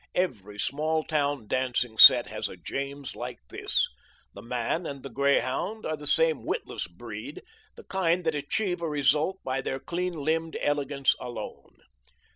Every small town dancing set has a James like this. The man and the greyhound are the same witless breed, the kind that achieve a result by their clean limbed elegance alone.